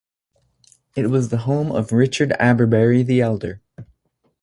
It was the home of Richard Abberbury the Elder.